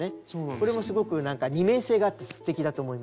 これもすごく二面性があってすてきだと思います。